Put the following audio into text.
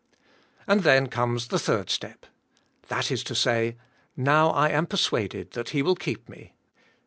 And then comes the third step. That is to say, * *Now I am persuaded that H e will keep me.